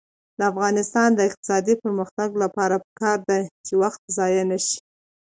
د افغانستان د اقتصادي پرمختګ لپاره پکار ده چې وخت ضایع نشي.